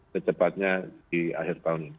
kecepatnya di akhir tahun ini